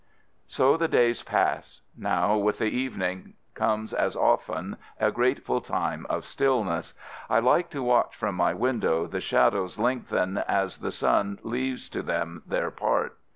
So the days pass — Now, with the evening, comes, as often, a grateful time of stillness. I like to watch from my win FIELD SERVICE 149 dow the shadows lengthen as the sun leaves to them their part.